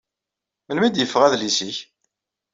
Melmi ay d-yeffeɣ udlis-nnek?